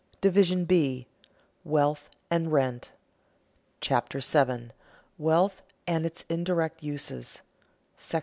DIVISION B WEALTH AND RENT CHAPTER 7 WEALTH AND ITS INDIRECT USES § I.